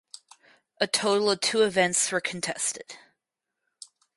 A total of two events were contested.